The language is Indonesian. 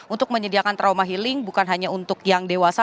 untuk menyediakan trauma healing bukan hanya untuk yang dewasa